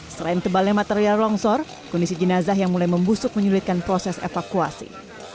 selain tebalnya material longsor kondisi jenazah yang mulai membusuk menyulitkan proses evakuasi